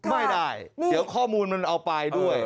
ไม่ได้เดี๋ยวข้อมูลมันเอาไปด้วย